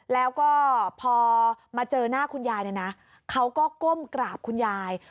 แล้วก็พอมาเจอหน้าคุณยายเนี่ยนะเขาก็ก้มกราบคุณยาย